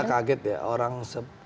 kita kaget ya orang